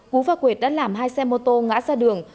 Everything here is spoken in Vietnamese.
cú và quệt đã làm hai xe mô tô ngã ra đường